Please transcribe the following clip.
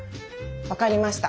わかりました。